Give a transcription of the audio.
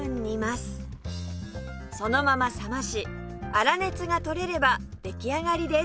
そのまま冷まし粗熱が取れれば出来上がりです